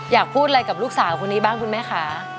อยากพูดอะไรกับลูกสาวคนนี้บ้างคุณแม่คะ